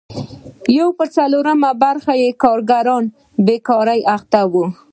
یو پر څلورمه برخه کارګر په بېګار اخته وو.